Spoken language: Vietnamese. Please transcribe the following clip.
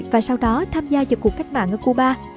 và sau đó tham gia vào cuộc cách mạng ở cuba